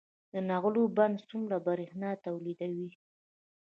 د نغلو بند څومره بریښنا تولیدوي؟